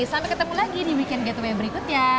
sampai ketemu lagi di weekend gateway berikutnya